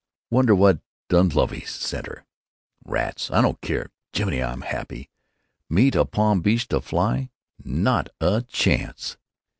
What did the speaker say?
Wonder what Dunleavy sent her?... Rats! I don't care. Jiminy! I'm happy! Me to Palm Beach to fly? Not a chance!"